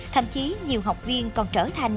thậm chí nhiều học viên còn trở thành